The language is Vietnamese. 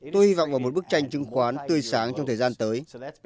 tôi hy vọng vào một bức tranh chứng khoán tươi sáng trong thời gian tới